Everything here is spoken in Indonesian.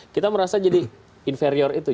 kita merasa jadi inferior itu